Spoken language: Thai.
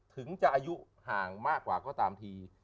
ถึงจะอายุห่างมากกว่าก็ตามที